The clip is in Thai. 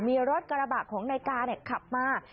มีรถกระบะของนายกาขับมา